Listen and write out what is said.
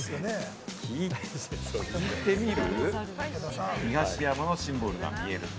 聞いてみる？